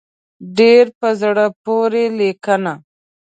ډېره په زړه پورې لیکنه.